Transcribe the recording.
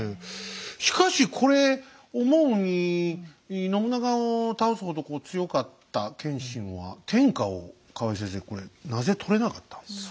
しかしこれ思うに信長を倒すほどこう強かった謙信は天下を河合先生これなぜ取れなかったんですか？